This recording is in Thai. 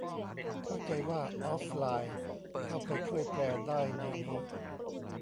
เข้าใจว่าออฟไลน์ เข้าไปช่วยแปลได้ในนี้